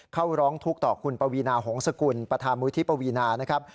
เข้าร้องทุกข์ต่อคุณปวีนาหงษกุลประธานมุยที่ปวีนานะครับ